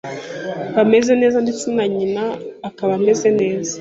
bameze neza ndetse na nyina akaba ameze neza.